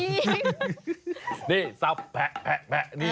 นี่ทรัพย์แผะ